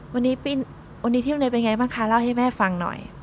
วันนี้ที่โรงเรียนเป็นไงบ้างคะเล่าให้แม่ฟังหน่อย